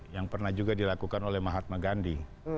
yang pernah juga dilakukan oleh mahatma gandhi